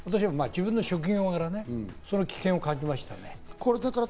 自分の職業柄、そういう危険を感じましたね。